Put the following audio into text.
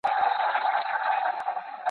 سياست پوهنه يوازي د لرغونو يونانيانو علم نه دی.